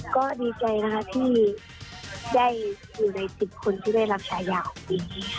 ก็ดีใจนะคะที่ยในสิบคนที่ได้รับฉายาคปนี้